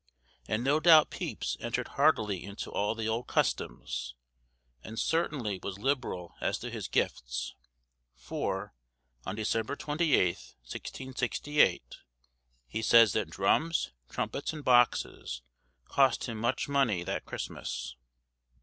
and no doubt Pepys entered heartily into all the old customs, and certainly was liberal as to his gifts; for, on December 28th, 1668, he says that drums, trumpets, and boxes cost him much money that Christmas.